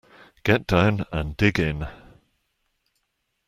Get down and dig in.